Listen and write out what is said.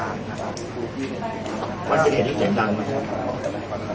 มันเป็นเหตุการณ์ที่เกิดดังไหมครับ